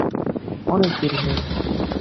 অনেক দেরি হয়ে গেছে!